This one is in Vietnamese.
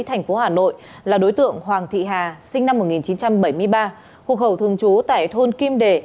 thành phố hà nội là đối tượng hoàng thị hà sinh năm một nghìn chín trăm bảy mươi ba hộ khẩu thường trú tại thôn kim đề